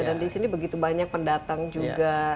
dan disini begitu banyak pendatang juga